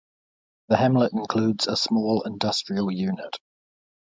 The hamlet includes a small industrial unit.